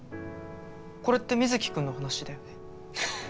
これって水城君の話だよね？